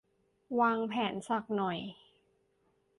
วางแผนสักหน่อย